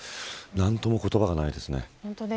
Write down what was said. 何とも言葉がないですね。